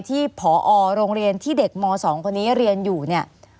ผอโรงเรียนที่เด็กม๒คนนี้เรียนอยู่เนี่ย